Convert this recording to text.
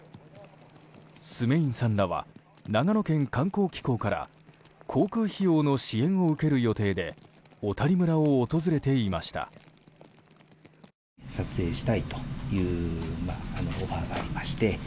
スメインさんらは長野県観光機構から航空費用の支援を受ける予定で小谷村を訪れていました。